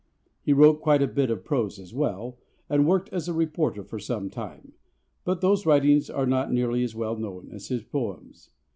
He wrote quite a bit of prose as well, and worked as a reporter for some time, but those writings are not nearly as well known as his poems.